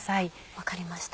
分かりました。